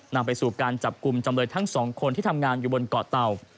นำไปสู่การจับกลุ่มจำเลยทั้งสองคนที่ทำงานอยู่บนเกาะเตา